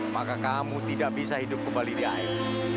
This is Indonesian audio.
maka kamu tidak bisa hidup kembali di air